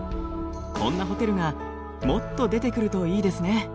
こんなホテルがもっと出てくるといいですね！